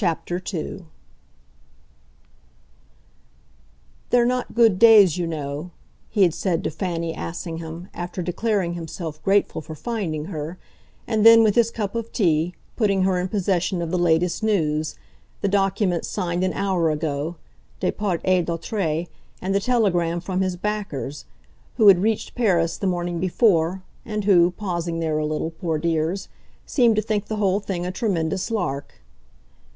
II "They're not good days, you know," he had said to Fanny Assingham after declaring himself grateful for finding her, and then, with his cup of tea, putting her in possession of the latest news the documents signed an hour ago, de part et d'autre, and the telegram from his backers, who had reached Paris the morning before, and who, pausing there a little, poor dears, seemed to think the whole thing a tremendous lark.